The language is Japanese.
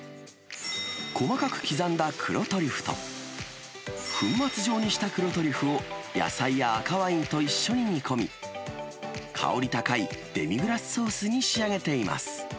細かく刻んだ黒トリュフと、粉末状にした黒トリュフを、野菜や赤ワインと一緒に煮込み、香り高いデミグラスソースに仕上げています。